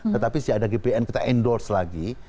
tetapi sejak ada gpn kita endorse lagi